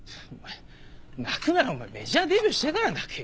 泣くならお前メジャーデビューしてから泣けよ。